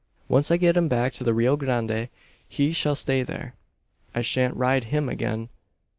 Once I get him back to the Rio Grande he shall stay there. I shan't ride him again.